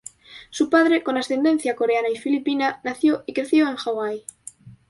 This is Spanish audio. Su padre, con ascendencia coreana y filipina, nació y creció en Hawaii.